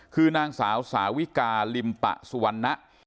คือนางสาวสาวิกาลิมปะสุวรรณะ